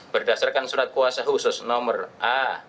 berdasarkan surat kuasa khusus nomor a